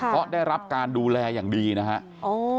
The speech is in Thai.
ก็ได้รับการดูแลอย่างดีนะฮะ